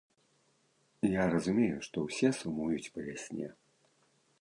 Я разумею, што ўсе сумуюць па вясне.